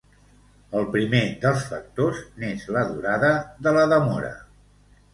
El primer dels factors n'és la durada de la demora.